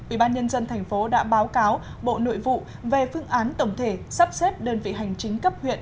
ubnd tp đã báo cáo bộ nội vụ về phương án tổng thể sắp xếp đơn vị hành chính cấp huyện